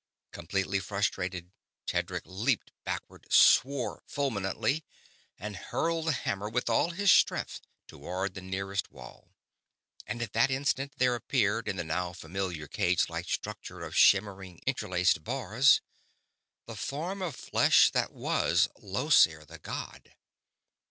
Completely frustrated, Tedric leaped backward, swore fulminantly, and hurled the hammer with all his strength toward the nearest wall. And in that instant there appeared, in the now familiar cage like structure of shimmering, interlaced bars, the form of flesh that was Llosir the god.